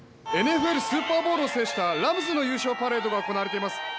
ＮＦＬスーパーボウルを制したラムズの優勝パレードが行われています。